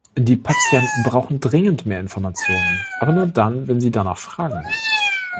Die Patienten brauchen dringend mehr Informationen, aber nur dann, wenn sie danach fragen.